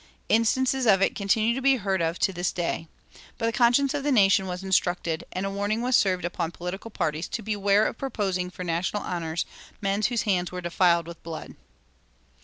Instances of it continue to be heard of to this day. But the conscience of the nation was instructed, and a warning was served upon political parties to beware of proposing for national honors men whose hands were defiled with blood.